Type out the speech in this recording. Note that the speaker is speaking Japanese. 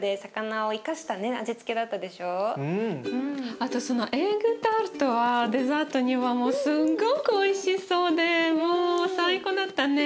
あとそのエッグタルトはデザートにはすごくおいしそうでもう最高だったね。